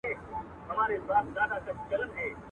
دا وطن به خپل مالک ته تسلمیږي.